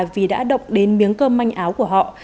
vì đã động đến miếng cơm manh áo của họ